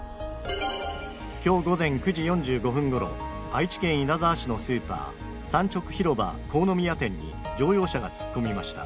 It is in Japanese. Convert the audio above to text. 今日午前９時４５分ごろ愛知県稲沢市のスーパー、産直広場国府宮店に乗用車が突っ込みました。